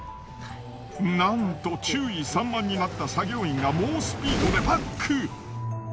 なんと注意散漫になった作業員が猛スピードでバック。